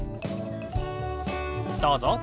どうぞ。